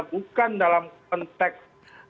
bukan dalam konteks